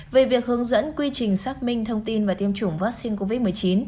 về việc hướng dẫn quy trình xác minh thông tin và tiêm chủng vaccine covid một mươi chín